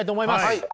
はい！